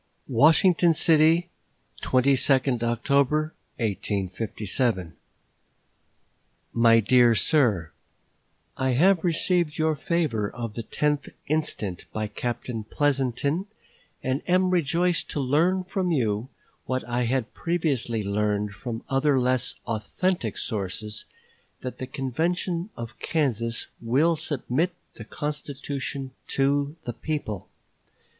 WASHINGTON CITY, 22d October, 1857. MY DEAR SIR: I have received your favor of the tenth instant by Captain Pleasonton and am rejoiced to learn from you, what I had previously learned from other less authentic sources, that the convention of Kansas will submit the constitution to the people.